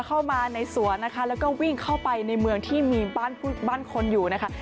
เข้ามาในสวนนะคะแล้วก็วิ่งเข้าไปในเมืองที่มีบ้านคนอยู่นะคะ